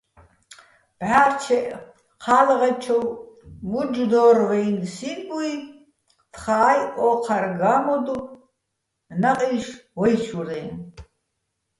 ბჵა́რჩეჸ ჴა́ლღეჩოვ მურჯოდვაჲნი̆ სინბუჲ, თხაჲ ო́ჴარ გამოდო̆ ნაჸიშ ვაჲჩურეჼ.